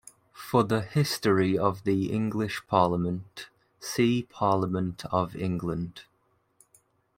For the history of the English Parliament, see Parliament of England.